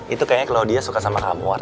itu kayaknya kalau dia suka sama kamu wak